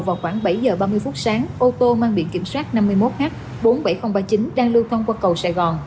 vào khoảng bảy h ba mươi phút sáng ô tô mang biển kiểm soát năm mươi một h bốn mươi bảy nghìn ba mươi chín đang lưu thông qua cầu sài gòn